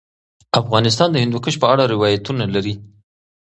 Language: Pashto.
افغانستان د هندوکش په اړه روایتونه لري.